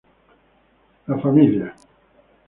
La Fm.